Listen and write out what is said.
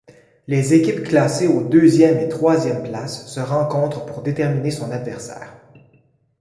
Les équipes classées aux deuxièmes et troisièmes places se rencontrent pour déterminer son adversaire.